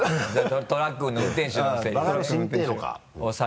トラックの運転手のセリフね。